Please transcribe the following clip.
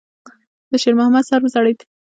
د شېرمحمد سر وځړېد.